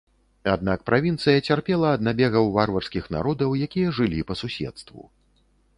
Аднак правінцыя цярпела ад набегаў варварскіх народаў, якія жылі па суседству.